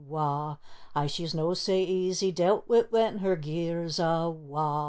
Aye, she's no sae easy dealt wi' when her gear's awa'!